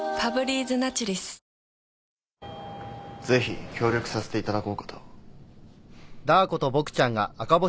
ぜひ協力させていただこうかと。